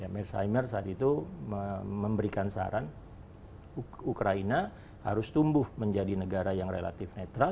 merzheimer saat itu memberikan saran ukraina harus tumbuh menjadi negara yang relatif netral